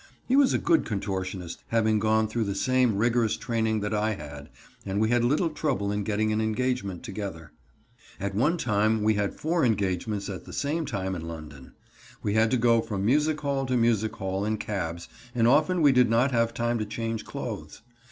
He was a good contortionist, having gone through the same rigorous training that I had, and we had little trouble in getting an engagement together. At one time we had four engagements at the same time in London. We had to go from music hall to music hall in cabs, and often we did not have time to change clothes.